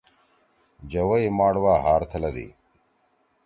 جوَئی ماڑ وا ہار تھلَدی۔